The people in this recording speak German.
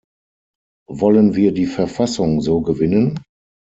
Wollen wir die Verfassung so gewinnen?